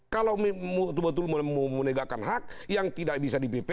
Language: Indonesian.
kalau menegakkan hak yang tidak bisa di pp